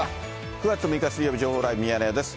９月６日水曜日、情報ライブミヤネ屋です。